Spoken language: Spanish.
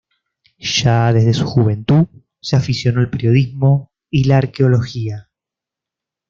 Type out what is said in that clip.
Ya desde su juventud se aficionó al periodismo y la arqueología.